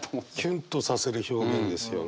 キュンとさせる表現ですよね。